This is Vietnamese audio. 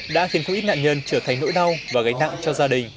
đã khiến không ít nạn nhân trở thành nỗi đau và gánh nặng cho gia đình